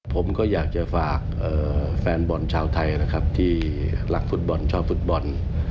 ผมก็อยากจะฝากแฟนบอลชาวไทยนะครับที่รักฟุตบอลชอบฟุตบอล